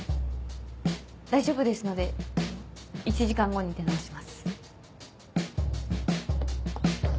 大丈夫ですので１時間後に出直します。